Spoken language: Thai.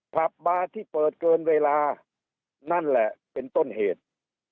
ผับบาร์ที่เปิดเกินเวลานั่นแหละเป็นต้นเหตุ